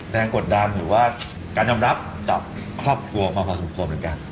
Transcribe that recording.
กดดันหรือว่าการยอมรับจากครอบครัวมาพอสมควรเหมือนกัน